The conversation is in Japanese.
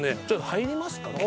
ちょっと入りますか？